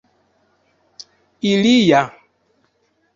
ilia